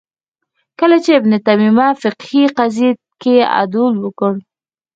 کله چې ابن تیمیه فقهې قضیې کې عدول وکړ